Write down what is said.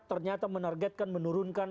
ternyata menargetkan menurunkan